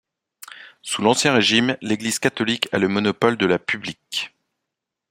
Sous l'Ancien Régime, l'Église catholique a le monopole de la publique.